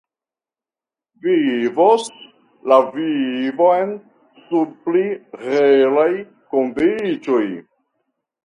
Vivos la vivon sub pli helaj kondiĉoj.